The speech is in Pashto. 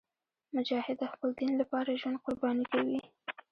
مجاهد د خپل دین لپاره ژوند قرباني کوي.